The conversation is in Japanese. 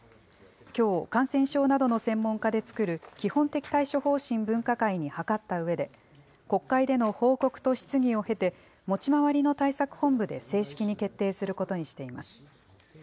きょう感染症などの専門家で作る基本的対処方針分科会に諮ったうえで国会での報告と質疑を経て持ち回りの対策本部で正式に決定することにしています。